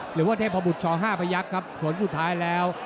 หรือว่าเทพบุตรช๕พยักษ์ครับผลสุดท้ายแล้ว